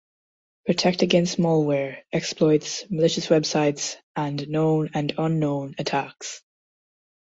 Protect against malware, exploits, malicious websites, and known and unknown attacks